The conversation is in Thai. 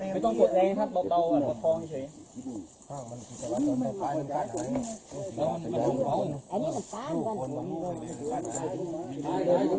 ไม่ต้องกดแรงครับเบาเต่าก็พร้อมเฉยทุกคนน้องล้อนอันนี้ก็ตั้งกว่า